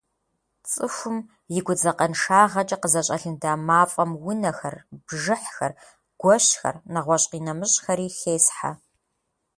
ЦӀыхум и гудзакъэншагъэкӀэ къызэщӀэлында мафӀэм унэхэр, бжыхьхэр, гуэщхэр нэгъуэщӏ къинэмыщӏхэри хесхьэ.